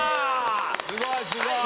すごいすごい！